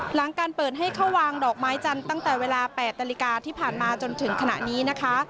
หลังการเปิดให้เข้าวางดอกไม้จันทร์ตั้งแต่เวลา๘นาฬิกาที่ผ่านมาจนถึงขณะนี้นะคะ